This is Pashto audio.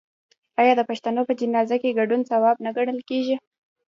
آیا د پښتنو په جنازه کې ګډون ثواب نه ګڼل کیږي؟